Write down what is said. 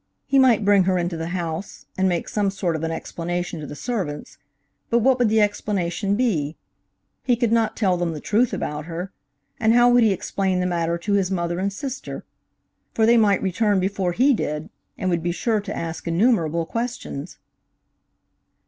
He might bring her into the house, and make some sort of an explanation to the servants, but what would the explanation be? He could not tell them the truth about her, and how would he explain the matter to his mother and sister? For they might return before he did, and would be sure to ask innumerable questions.